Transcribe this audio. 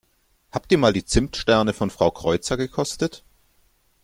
Habt ihr mal die Zimtsterne von Frau Kreuzer gekostet?